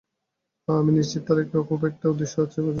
হ্যাঁ, আমি নিশ্চিত তার একটা উদ্দেশ্য আছে, বুঝেছ?